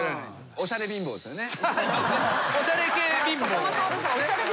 おしゃれ系貧乏ですね。